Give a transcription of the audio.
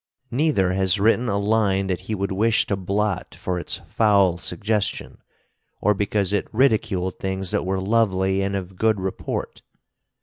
Neither has written a line that he would wish to blot for its foul suggestion, or because it ridiculed things that were lovely and of good report.